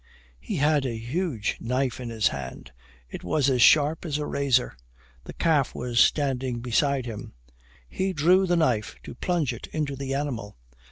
He had a huge knife in his hand it was as sharp as a razor. The calf was standing beside him he drew the knife to plunge it into the animal.